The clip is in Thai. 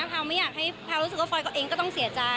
แพลวไม่อยากให้แพลวรู้สึกว่าฟอยเขาเองก็ต้องเสียใจ